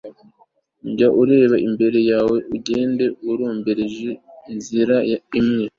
jya ureba imbere yawe, ugende uromboreje inzira imwe